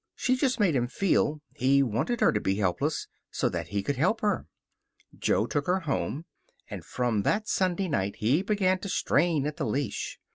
She just made him feel he wanted her to be helpless, so that he could help her. Jo took her home, and from that Sunday night he began to strain at the leash.